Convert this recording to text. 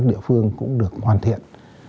các địa phương cũng được hoàn thiện